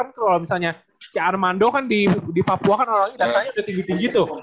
kalau misalnya si armando kan di papua kan orangnya datanya udah tinggi tinggi tuh